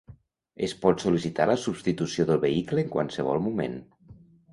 Es pot sol·licitar la substitució del vehicle en qualsevol moment.